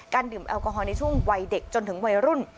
ดื่มแอลกอฮอลในช่วงวัยเด็กจนถึงวัยรุ่น